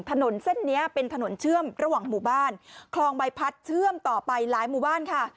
ถนนเส้นนี้เป็นถนนเชื่อมระหว่างหมู่บ้านคลองใบพัดเชื่อมต่อไปหลายหมู่บ้านค่ะ